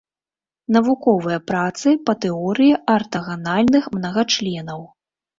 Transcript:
Навуковыя працы па тэорыі артаганальных мнагачленаў.